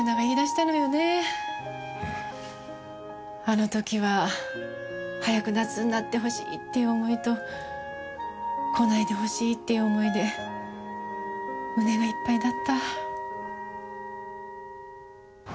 あの時は早く夏になってほしいっていう思いと来ないでほしいっていう思いで胸がいっぱいだった。